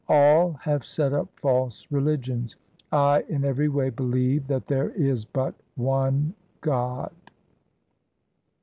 1 All have set up false religions ; I in every way believe that there is but one God.